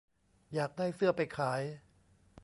อยากได้เสื้อไปขาย